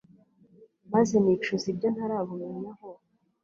maze nicuza ibyo ntarabumenyaho